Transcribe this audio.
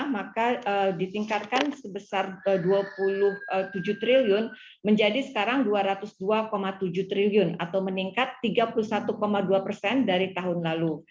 maka ditingkatkan sebesar dua puluh tujuh triliun menjadi sekarang dua ratus dua tujuh triliun atau meningkat tiga puluh satu dua persen dari tahun lalu